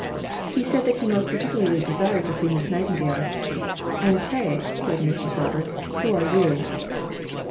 He said that he most particularly desired to see Miss Nightingale. "And pray," said Mrs. Roberts, "who are you?"